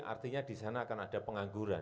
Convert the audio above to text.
artinya di sana akan ada pengangguran